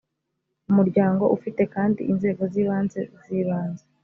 umuryango ufite kandi inzego z ibanze z ibanze